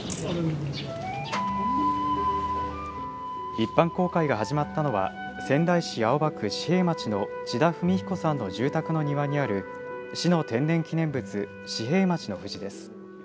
一般公開が始まったのは仙台市青葉区子平町の千田文彦さんの住宅の庭にある市の天然記念物子平町の藤です。